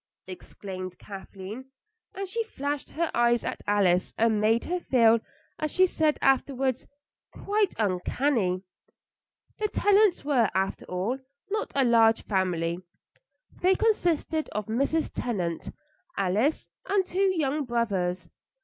exclaimed Kathleen, and she flashed her eyes at Alice and made her feel, as she said afterwards, quite uncanny. The Tennants were, after all, not a large family. They consisted of Mrs. Tennant, Alice, and two young brothers.